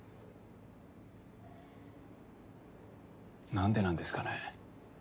何でなんですかね。